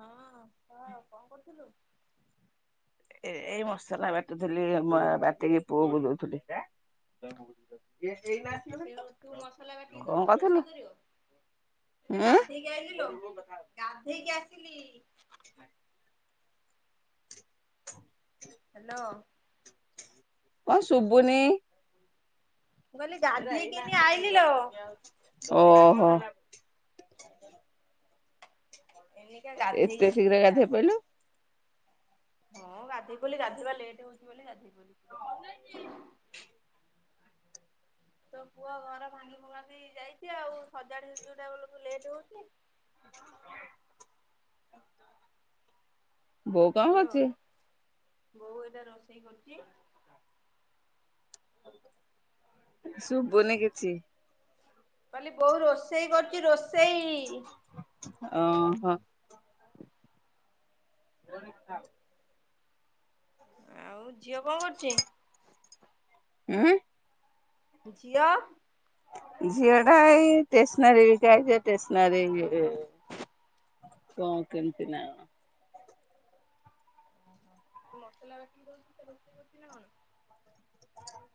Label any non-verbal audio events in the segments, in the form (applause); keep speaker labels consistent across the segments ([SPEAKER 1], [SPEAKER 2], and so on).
[SPEAKER 1] ହଁ କହ କଣ କରୁଥୁଲୁ?
[SPEAKER 2] ଏ-ଏଇ ମସଲା ବାଟୁଥିଲି ମା ବାଟିକି ପୁଅକୁ ଦୋଉଥିଲି।
[SPEAKER 1] (unintelligible) ସେ ତୁ ମସଲା କାଟିକି
[SPEAKER 2] କଣ
[SPEAKER 1] ଦବୁ ସେ
[SPEAKER 2] କରୁଥିଲୁ?
[SPEAKER 1] ରୋଷେଇ କରିବ। ସେ
[SPEAKER 2] ଉଁ
[SPEAKER 1] ଗାଧେଇକି ଆସିଲି ଲୋ। ଗାଧେଇକି ଆସିଲି। ହାଲୋ
[SPEAKER 2] କଣ ଶୁଭୁନି?
[SPEAKER 1] ମୁ କହିଲି ଗାଧେଇକିିି ଏଇନେ ଆଇଲି ଲୋ।
[SPEAKER 2] ଓହୋ
[SPEAKER 1] ଏଇନିକା ଗାଧେଇ
[SPEAKER 2] ଏତେ
[SPEAKER 1] ଯାଇଥିଲି
[SPEAKER 2] ଶୀଘ୍ର
[SPEAKER 1] ଯେ
[SPEAKER 2] ଗାଧେଇ
[SPEAKER 1] ଆସି
[SPEAKER 2] ପଇଲୁ।
[SPEAKER 1] ହଁ ଗାଧେଇ ପଇଲି ଗାଧୋଇବା ଲେଟ ହଉଛି ବୋଲି ତୋ ପୁଅ ଘର ଭାଙ୍ଗି ଭୁଙ୍ଗିକି ଯାଇଛି ଆଉ, ସଜାଡିଲା ବେଳକୁ ଲେଟ ହଉଛି।
[SPEAKER 2] ଭୋ
[SPEAKER 1] ହ୍ୟାଲୋ
[SPEAKER 2] କାଛି (unintelligible)
[SPEAKER 1] ବୋଉ ଏଇଟା ରୋଷେଇ କରୁଛି।
[SPEAKER 2] ଶୁଭୁନି କିଛି?
[SPEAKER 1] କହଲି ବୋଉ ରୋଷେଇ କରୁଛି ରୋଷେଇ।
[SPEAKER 2] ଓହୋ ହଣ (unintelligible)
[SPEAKER 1] ଆଉ ଝିଅ କଣ କରୁଛି?
[SPEAKER 2] ହଁ?
[SPEAKER 1] ଝିଅ?
[SPEAKER 2] ଝିଅଟା ଷ୍ଟେସନାରି ବିକାଆଇଛି ଷ୍ଟେସନାରି (unintelligible) କଣ କେମତି ନା?
[SPEAKER 1] ଓହୋ ତୁ ମସଲା କାଟିକି ଦଉଛୁ ତ ରୋଷେଇ କରଛି ନା କଣ (unintelligible)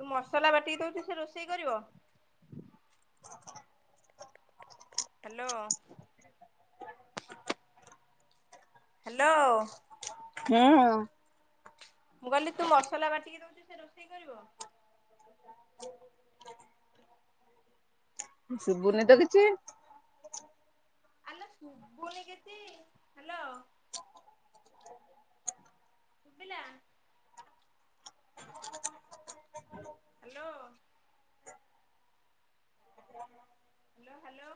[SPEAKER 1] ତୁ ମସଲା ବାଟିକି ଦଉଛୁ ସେ ରୋଷେଇ କରିବ? ହାଲୋ! ହାଲୋ!
[SPEAKER 2] ହୁଁ?
[SPEAKER 1] ମୁଁ କହିଲି ତୁ ମସଲା କାଟିକି ଦଉଛୁ ସେ ରୋଷେଇ କରିବ?
[SPEAKER 2] ହ (unintelligible) ଶୁଭୁନି ତ କିଛି?
[SPEAKER 1] ଆଲୋ ଶୁଭୁନି କିଛି, hello ଉପିଲା (unintelligible) hello? Hello, hello?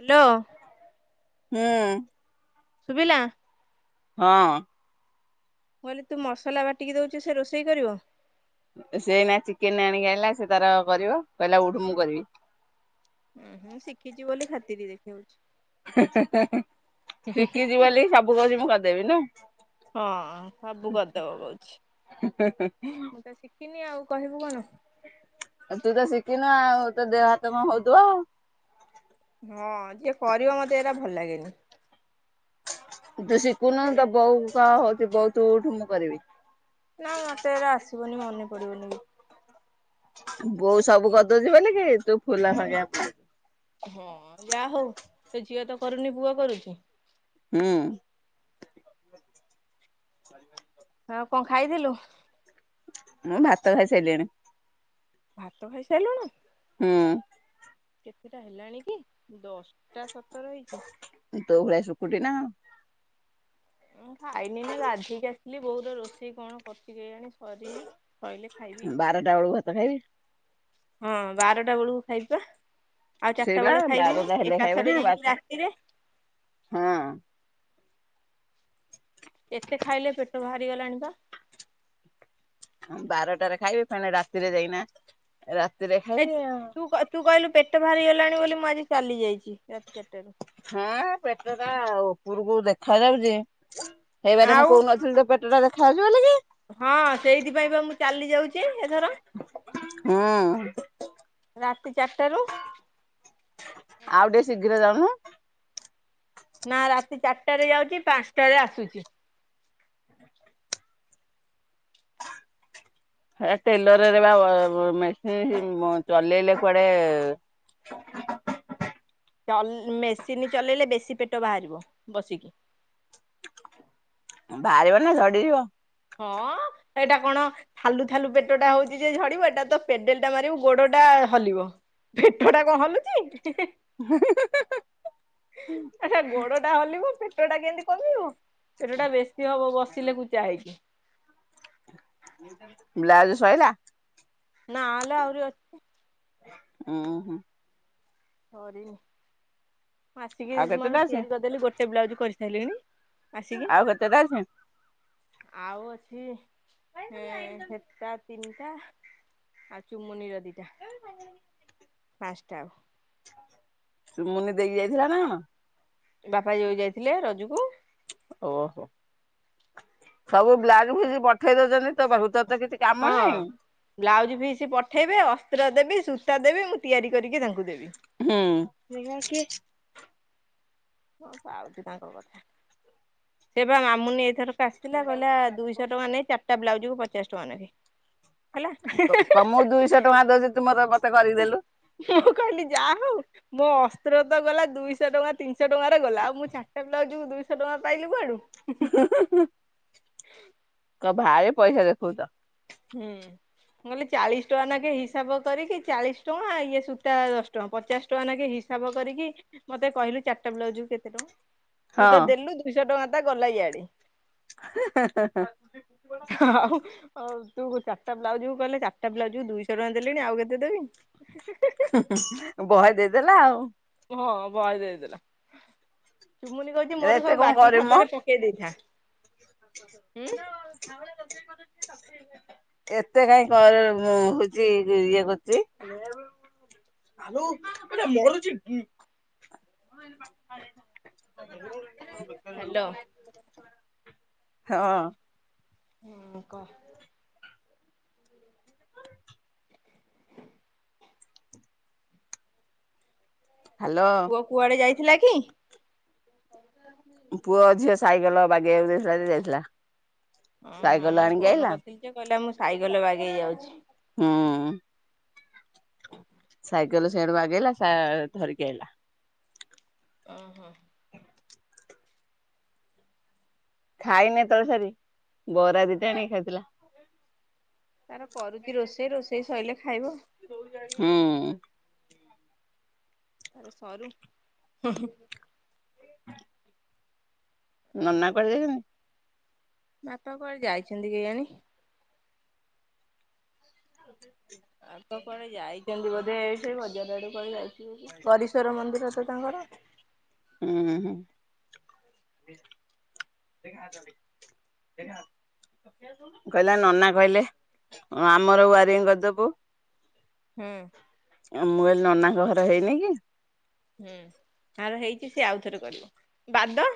[SPEAKER 1] Hello?
[SPEAKER 2] ହୁଁ?
[SPEAKER 1] ଶୁବିଲା?
[SPEAKER 2] ହଁ?
[SPEAKER 1] କହିଲି ତୁ ମସଲା ବାଟିକି ଦଉଛୁ ସେ ରୋଷେଇ କରିବ?
[SPEAKER 2] ସେ ନା ଚିକେନ ଆଣିକି ଆଇଲା, ସେ ତାର କରିବ, କହିଲା ଉଠୁ ମୁଁ କରିବି।
[SPEAKER 1] ଓ ହୁଁ ଶିଖିଛି ବୋଲି ଖାତିର ଦେଖାଉଛି।
[SPEAKER 2] ଶିଖିଛି ବୋଲି ସବୁ କହୁଛି ମୁଁ କରିଦେବି ନା?
[SPEAKER 1] ହଁ ସବୁ କରିଦବ କହୁଛି, ମୁଁ ତ ଶିଖିନି ଆଉ କହିବୁ କନ
[SPEAKER 2] ତୁ ତ ଶିଖିନୁ ଆଉ, ତୋ ଦେହ ହାତ କଣ ହଉଥିବ?
[SPEAKER 1] ହଁ ଯିଏ କରିବ ମତେ ଏଇଟା ଭଲ ଲାଗେନି?
[SPEAKER 2] ତୁ ଶିଖୁନୁ ତ ବୋଉ କହ ହଉଛି, ବଉ ତୁ ଉଠୁ ମୁ କରିବି।
[SPEAKER 1] ନା ମତେ ଏବେ ଆସିବନି, ମନେ ପଡିବନି ବି
[SPEAKER 2] ବୋଉ ସବୁ ଗଦଉଛି ବୋଲିକି ତୁ ଫୁଲା ଫାଙ୍କିଆ
[SPEAKER 1] ସେ ଝିଅ ତ କରୁନି ପୁଅ କରୁଛି?
[SPEAKER 2] ହୁଁ?
[SPEAKER 1] ଆଉ କଣ ଖାଇଥିଲୁ?
[SPEAKER 2] ମୁଁ ଭାତ ଖାଇ ସାରିଲିଣି।
[SPEAKER 1] ଭାତ ଖାଇସାଇଲୁଣୁ?
[SPEAKER 2] ହୁଁ।
[SPEAKER 1] କେତେଟା ହେଲାଣି କି ଦଶଟା ସ
[SPEAKER 2] ତୋ ଭଲି ସୁକୁଟି ନାଁ
[SPEAKER 1] ଉଁ ଖାଇନି ନା ଗାଧିକି ଆସିଲି ବୋଉ ରୋଷେଇ କଣ କରିଚି କେଜାଣି? ସରିନି ସଇଲେ ଖାଇବି
[SPEAKER 2] ବାରଟା ଓଳୁ ଭାତ ଖାଇବି।
[SPEAKER 1] ହଁ ବାରଟା ବେଳକୁ ଖାଇବା। ଆଉ ଚାରିଟା
[SPEAKER 2] ସେଇବା
[SPEAKER 1] ବେଳେ ଖାଇବିନି
[SPEAKER 2] ବାରଟା ହେଲେ
[SPEAKER 1] ଏକା
[SPEAKER 2] ଖାଇବ ନା
[SPEAKER 1] ଥରେ
[SPEAKER 2] ବା
[SPEAKER 1] ଯାଇକି ରାତିରେ? (unintelligible) ଏତେ ଖାଇଲେ ପେଟ ବାହାରି ଗଲାଣି ପା।
[SPEAKER 2] ବାରଟାରେ ଖାଇବି ଫେଣେ ରାତିରେ ଯାଇକିନା ରା
[SPEAKER 1] ଏ ତୁ ତୁ କହିଲୁ ପେଟ ବାହାରି ଗଲାଣି ବୋଲି ମୁଁ ଆଜି ଚାଲି ଯାଇଛି ରାତି ଚାରିଟାରୁ।
[SPEAKER 2] ହଁ ପେଟ ଟା ଉପରକୁ ଦେଖା ଯାଉଛି। ସେଇବାରେ ମୁଁ
[SPEAKER 1] ଆଉ
[SPEAKER 2] କହୁନଥିଲି ତୋ ପେଟ ଟା ଦେଖା ଯାଉଛି ବୋଲି କି।
[SPEAKER 1] ହଁ ସେଇଥିପାଇଁ ବା ମୁଁ ଚାଲି ଯାଉଛି ଏଥର
[SPEAKER 2] ହୁଁ।
[SPEAKER 1] ରାତି ଚାରିଟାରୁ
[SPEAKER 2] ଆଉ ଟିକେ ଶୀଘ୍ର ଜାଉନୁ?
[SPEAKER 1] ନା ରାତି ଚାରିଟାରେ ଯାଉଛି ପାଞ୍ଚଟାରେ ଆସୁଛି।
[SPEAKER 2] ଟେଲରରେ ବା ମେସିନ୍ ଚଲେଇଲେ କୁଆଡେ
[SPEAKER 1] (unintelligible) ଚଲେ ମେସିନ୍ ଚଲେଇଲେ ବେଶୀ ପେଟ ବାହାରିବ ବସିକି।
[SPEAKER 2] ବାହାରିବ ନା ଝଡିଯିବ।
[SPEAKER 1] ହଁ ଏଇଟା କଣ ଥାଲୁ ଥାଲୁ ପେଟ ଟା ହଉଛି ଯେ ଝଡିବ ଏଇଟା ତ ପେଡେଲ ଟା ମାରିବୁ ଗୋଡ ଟା ହଲିବ ପେଟ ଟା କଣ ହଲୁଛି।
[SPEAKER 2] ହିଁ ହି
[SPEAKER 1] ଆଛା ଗୋଡ ଟା ହଲିବ ପେଟ ଟା କେମିତି କମିବ। ପେଟଟା ବେଶୀ ହବ ବସିଲେ କୁଚା ହେଇକି।
[SPEAKER 2] ବ୍ଲାଉଜୁ ଶୋଇଲା?
[SPEAKER 1] ନାଁ ଲୋ ଆଉରି ଅଛି।
[SPEAKER 2] ଉ ହୁଁ।
[SPEAKER 1] ସରିନି ଆସିକି
[SPEAKER 2] ଆଉ କେତେଟା
[SPEAKER 1] ମୋର
[SPEAKER 2] ଅଛି
[SPEAKER 1] ତିଆରି କରିଦେଲି ଗୋଟେ ବ୍ଲାଉଜ କରିସାରିଲିଣି। ଆସିକି
[SPEAKER 2] ଆଉ କେତେଟା ଅଛି?
[SPEAKER 1] ଆଉ ଅଛିଁ ହେଟା ତିନି ଆଉ ଚୁମୁନିର ଦିଟା ପାଞ୍ଚଟା ଆଉ
[SPEAKER 2] ସୁମୁନି ଦେଇକି ଯାଇଥିଲା ନାଁ କଣ?
[SPEAKER 1] ବାପା ଯୋଉଁ ଯାଇଥିଲେ ରଜକୁ
[SPEAKER 2] ଓହୋ ସବୁ ବ୍ଲାଉଜ ଫିଜି ପଠେଇ ଦଉଛନ୍ତି ତ ପାଖକୁ ତ କିଛି
[SPEAKER 1] ହଁ
[SPEAKER 2] କାମ ନାହିଁ
[SPEAKER 1] ବ୍ଲାଉଜ ଫିସି ପଠେଇବେ ଅସ୍ତ୍ର ଦେବି ସୂତା ଦେବି ମୁଁ ତିଆରି କରିକି ତାଙ୍କୁ ଦେବି।
[SPEAKER 2] ହୁଁ (inaudible)
[SPEAKER 1] ହଁ ପାଉଛି ତାଙ୍କ କଥା ସେପା ମାମୁନି ଆରଥରକ ଆସିଥିଲା କହିଲା ଦୁଇଶହ ଟଙ୍କା ନେ ଚାରିଟା ବ୍ଲାଉଜକୁୁ ପଚାଶ ଟଙ୍କା ନେବି।
[SPEAKER 2] କମ ଦୁଇଶହ ଟଙ୍କା ଦଉଛି ତୁ ମତେ କରିକି ଦେଲୁ।
[SPEAKER 1] ମୁଁ କହିଲି ଯାହା ହୋଉ ମୋ ଅସ୍ତ୍ର ତ ଗଲା ଦୁଇଶହ ଟଙ୍କା ତିନିଶହ ଟଙ୍କାରେ ଗଲା ଆଉ ମୁଁ ଚାରିଟା ବ୍ଲାଉଜ୍ ଦୁଇଶ ଛୋ ଟଙ୍କା ପାଇଲି କୁଆଡ଼ୁ
[SPEAKER 2] (inaudible) କ ଭାରି ପଇସା ଦେଖଉଚ।
[SPEAKER 1] ହୁଁ। ମୁଁ କହିଲି ଚାଳିଶ ଟଙ୍କା ନେ କେ ହିସାବ କରିକି ଚାଳିଶ ଟଙ୍କା ଇଏ ସୂତା ଦଶ ଟଙ୍କା ପଚାଶ ଟଙ୍କା ନେଖେ ହିସା ହିସାବ କରିକି ମତେ କହିଲୁ ଚାରିଟା ବ୍ଲାଉଜକୁୁ କେତେ ଟଙ୍କା? ତୁ ତ
[SPEAKER 2] ହଁ
[SPEAKER 1] ଦେଲୁ ଦୁଇଶହ ଟଙ୍କା ତ ଗଲା ଇଆଡେ। ହଉ ହଉ। ତୁ ଚାରିଟା ବ୍ଲାଉଜକୁ କଲେ ଚାରିଟା ବ୍ଲାଉଜକୁ ଦୁଇଶହ ଟଙ୍କା ଦେଲିଣି, ଆଉ କେତେ ଦେବି?
[SPEAKER 2] ବହେ ଦେଇଦେଲା ଆଉ।
[SPEAKER 1] ହଁ ବହେ ଦେଇଦେଲା। ଚୁମୁନି କହିଚି ମୋର
[SPEAKER 2] ଏତେ
[SPEAKER 1] ସବୁ ବାକି ଖାତାରେ ପକେଇ ଦେଇଥା। ହୁଁ
[SPEAKER 2] ହାଲୋ (unintelligible) ଏତେ କାହିଁ କରେ ମୁଁ ହଉଛି ଇଏ କରୁଛି।
[SPEAKER 1] ହାଲୋ।
[SPEAKER 2] ହଁ।
[SPEAKER 1] ହଁ କହ।
[SPEAKER 2] ହ୍ୟାଲୋ
[SPEAKER 1] ପୁଅ କୁଆଡେ ଯାଇଥିଲା କି?
[SPEAKER 2] ପୁଅ, ଝିଅ ସାଇକେଲ ବାଗେଇକୁ ଦେଇଥିଲା ଯେ ଯାଇଥିଲା।
[SPEAKER 1] ଓ ହଁ
[SPEAKER 2] ସାଇକେଲ
[SPEAKER 1] ମୁଁ
[SPEAKER 2] ଆଣିକି
[SPEAKER 1] ଫୋନ
[SPEAKER 2] ଆଇଲା।
[SPEAKER 1] କରିଥିଲି ଯେ କହିଲା ମୁଁ ସାଇକେଲରେ ବାଗେଇ ଯାଉଛି।
[SPEAKER 2] ହୁଁ। ସାଇକେଲ ସିଆଡୁ ବାଗେଇଲା ସା ଧରିକି ଆଇଲା।
[SPEAKER 1] ଅ ହୋ।
[SPEAKER 2] ଖାଇନି ତଳ ସାରୀ ବରା ଦିଟା ଆଣିକି ଖାଇଥିଲା।
[SPEAKER 1] ତାର କରୁଛି ରୋଷେଇ, ରୋଷେଇ ସରିଲେ ଖାଇବ।
[SPEAKER 2] ହୁଁ।
[SPEAKER 1] ତାର ସରୁ।
[SPEAKER 2] ନନା
[SPEAKER 1] ଆଉ
[SPEAKER 2] କୁଆଡ଼େ ଯାଇଛନ୍ତି?
[SPEAKER 1] ବାପା କୁଆଡେ ଯାଇଛନ୍ତି କେଜାଣି। ବାପା କୁଆଡ଼େ ଯାଇ ଯାଇଚନ୍ତି ବୋଧେ ସେ ବଜାର ଆଡେ କୁଆଡେ ଯାଇଥିବେ କି ପରିଶ୍ୱର ମନ୍ଦିର ତ ତାଙ୍କର।
[SPEAKER 2] ଉଁ ହୁଁ। କହିଲା ନନା କହିଲେ ହଁ ଆମର ୱାରିଂ କରିଦୋବୁ।
[SPEAKER 1] ହୁଁ।
[SPEAKER 2] ମୁଁ କହିଲି ନନାଙ୍କ ଘର ହେଇନି କି।
[SPEAKER 1] ହୁଁ ଆର ହେଇଚି ସେ ଆଉଥରେ କରିବ ବାଦ।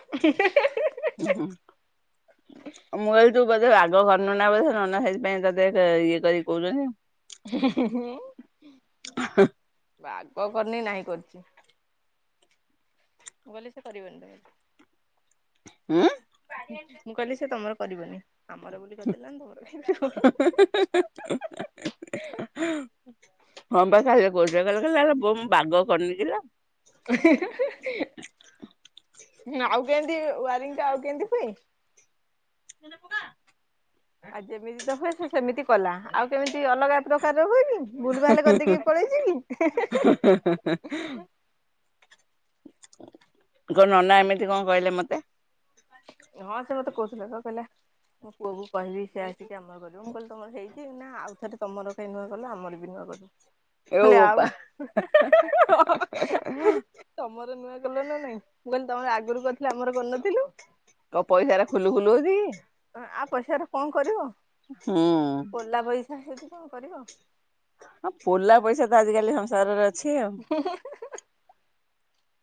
[SPEAKER 2] ତ ଘର ନନା ବୋଧ ସେଇଥିପାଇଁ ତତେ ଇଏ କରି କୋହୁଚନ୍ତି।
[SPEAKER 1] (inaudible)
[SPEAKER 2] (inaudible)
[SPEAKER 1] ପାଗ କରିନି ନାହିଁ କରିଚି। ମୁଁ କହିଲି କରିବେନି (unintelligible)
[SPEAKER 2] ହୁଁ
[SPEAKER 1] ମୁଁ କହିଲି ସେ ତମର କରିବନି ଆମର ବୋଲି କରିଦେଲା ତମର କାଇଁ କରିବ।
[SPEAKER 2] ହଁ ପା। ବୋଉ ସେଇଆ କହିଲା କହିଲା ବୋଉ ମୁଁ ବାଗ କରିନି କିଲୋ।
[SPEAKER 1] ନା ଆଉ ଯେନ୍ତି ୱାରିଂ ଟା ଆଉ କେନ୍ତି ହୁଏ?
[SPEAKER 2] ମାନେ ପକା।
[SPEAKER 1] ଆଉ ଯେମିତି ତ ହୁଏ ସେ ସେମିତି କଲା ଆଉ କେମିତି ଅଲଗା ପ୍ର ହୁଏ କି ଭୁଲ ଭାଲ କରିଦେଇକି ପଳେଇଚି କି?
[SPEAKER 2] ତୋ ନନା ଏମିତି କ କହିଲେ ମତେ।
[SPEAKER 1] ହଁ ସେ ମତେ କୋହୁଥିଲେ ପା। କହିଲେ ମୋ ପୁଅ କ କହିବି ସେ ଆସିକି ଆମର କରିବି ମୁଁ କହିଲି ତମର ହେଇ କି ନା ଆଉଥରେ ତମ କାଇଁ ନୂଆ କଲ ଆମର ବି ନୂଆ କରୁ।
[SPEAKER 2] ଏ
[SPEAKER 1] ହେଲେ ଆଉ
[SPEAKER 2] ବୋପା
[SPEAKER 1] ତମର ନୂଆ କଲ ନା ନାଇଁ ମୁଁ କହିଲି ତମର ଆଗରୁ କରିଥିଲ ଆମର କରିନଥିଲୁ।
[SPEAKER 2] କ ପଇସା ରେ ଖୁଲୁ ଖୁଲୁ ହଉଛି କି?
[SPEAKER 1] ଆଉ ପଇସାରେ କ କରିବ।
[SPEAKER 2] କି ହୁଁ
[SPEAKER 1] ଓଲା ପଇସା ହେଇଛି କଣ କରିବ?
[SPEAKER 2] ଆଜିିକାଲି ସଂସାରରେ ଅଛି ଆଉ।
[SPEAKER 1] (inaudible)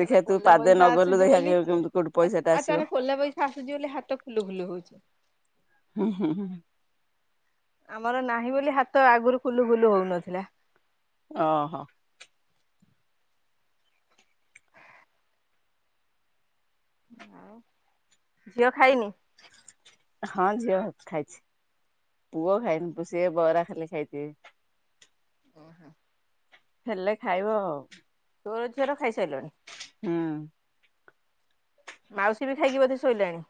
[SPEAKER 1] ତାର
[SPEAKER 2] ତୁ
[SPEAKER 1] ପୋଲା
[SPEAKER 2] ପାଦେ
[SPEAKER 1] ପଇସା
[SPEAKER 2] ନ ଗଲୁ
[SPEAKER 1] ଆସୁଛି, ବୋଲି
[SPEAKER 2] ଦେଖିବା କେମିତି କୋଉଠୁ ପଇସା ଟା
[SPEAKER 1] ଆଉ
[SPEAKER 2] ଆସିବ
[SPEAKER 1] ତାର ପୋଲା ପଇସା ଆସୁଛି ବୋଲି ହାତ ଖୋଲ ଭୁଲ ହଉଛି।
[SPEAKER 2] ହୁଁ ହୁଁ ହୁଁ।
[SPEAKER 1] ଆମର ନାହିଁ ବୋଲି ହାତ ଆଗରୁ ଫୁଲୁ ବୁଲୁ ହଉନଥିଲା।
[SPEAKER 2] ଓ ହୋ।
[SPEAKER 1] ଆଉ ଝିଅ ଖାଇନି?
[SPEAKER 2] ହଁ ଯିଅ ଖାଇଛି। ପୁଅ ଖାଇନି ସେ ବ ଖାଲି ଖାଇଛି।
[SPEAKER 1] ଓହୋ।
[SPEAKER 2] ହେଲେ ଖାଇବ ଆଉ।
[SPEAKER 1] ତୋର ଝିଅର ଖାଇସାରିଲଣି।
[SPEAKER 2] ହୁଁ
[SPEAKER 1] ମାଉସୀ ବି ଖାଇକି ବୋଧେ ଶୋଇଲାଣି।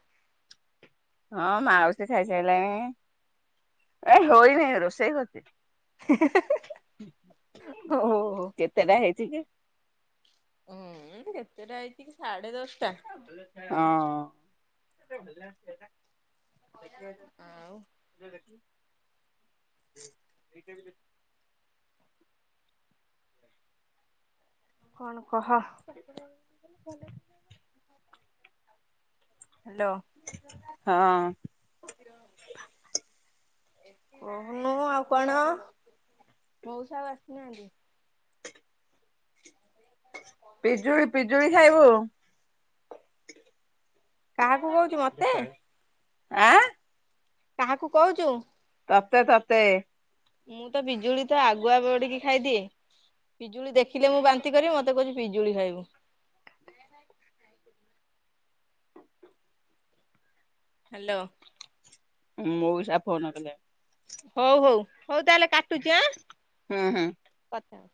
[SPEAKER 2] ହଁ ମାଉସୀ ଖାଇସାଇଲାଣି ଏ ହୋଇନି ରୋଷେଇ କରଛି।
[SPEAKER 1] ଓହୋ
[SPEAKER 2] କେତେଟା ହେଇଛି କି?
[SPEAKER 1] ହଁ ଏମିତି କେତେଟା ହେଇଛି କି? ସାଢେ ଦଶଟା
[SPEAKER 2] ହଁ। ଦେଖଓ
[SPEAKER 1] ଆଉ
[SPEAKER 2] (unintelligible) (inaudible)
[SPEAKER 1] କଣ? କହ
[SPEAKER 2] ପରିପଡ଼ି (unintelligible)
[SPEAKER 1] ହ୍ୟାଲୋ
[SPEAKER 2] ହଁ।
[SPEAKER 1] ମୁ ଆପଣ ମଉସା ଆସିୁନାହାନ୍ତି?
[SPEAKER 2] ପିଜୁଳି ପିଜୁଳି ଖାଇବୁ।
[SPEAKER 1] କାହାକୁ କହୁଛି ମତେ।
[SPEAKER 2] ଆଁ।
[SPEAKER 1] କାହାକୁ କହୁଛୁ।
[SPEAKER 2] ତତେ ତତେ।
[SPEAKER 1] ମୁଁ ତ ପିଜୁଳି ତ ଆଗୁଆ ବଢିକି ଖାଇଦିଏ ପିଜୁଳି ଦେଖ ଦେଖୀଲେ ମୁଁ ବାନ୍ତି କରିବି ମତେ କହୁଛି ପିଜୁଳି ଖାଇବୁ। ହ୍ୟାଲୋ।
[SPEAKER 2] ମୋଉସା ଫୋନକଲେ
[SPEAKER 1] ହଉ ହଉ ହଉ ତାହେଲେ କାଟୁଛି
[SPEAKER 2] ହୁଁ ହୁଁ।
[SPEAKER 1] ଆଁ ହ।